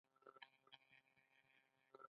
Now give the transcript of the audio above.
د اوسپنې پټلۍ او قانون په اړه خبرې وشوې.